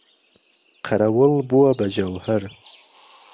قەرەوڵ بووە بە جهوههر